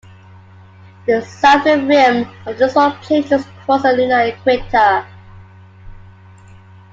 The southern rim of this walled plain just crosses the lunar equator.